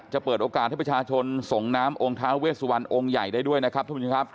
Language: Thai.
จะเปิดโอกาสให้ประชาชนส่งน้ำองค์ท้าเวชสุวรรณองค์ใหญ่ได้ด้วยนะครับทุกคนค่ะ